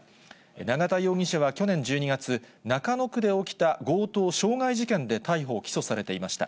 永田容疑者は去年１２月、中野区で起きた強盗傷害事件で逮捕・起訴されていました。